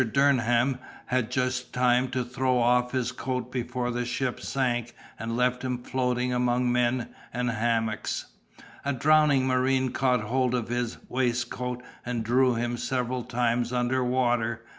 Durham had just time to throw off his coat before the ship sank and left him floating among men and hammocks. A drowning marine caught hold of his waistcoat, and drew him several times under water.